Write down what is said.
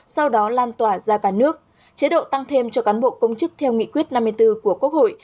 sau đó lan tỏa ra cả nước chế độ tăng thêm cho cán bộ công chức theo nghị quyết năm mươi bốn của quốc hội